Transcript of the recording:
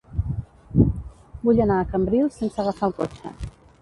Vull anar a Cambrils sense agafar el cotxe.